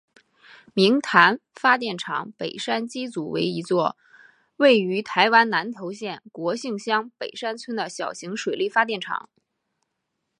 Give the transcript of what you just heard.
明潭发电厂北山机组为一座位于台湾南投县国姓乡北山村的小型水力发电厂。